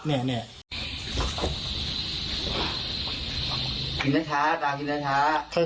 กินนะครับตากินนะครับ